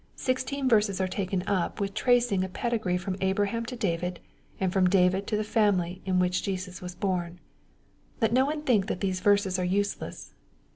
Sixteen verses are taken up with tracing a pedigree from Abraham to David, and from David to the family in which Jesus was bom. Let no one think that these verses are useless.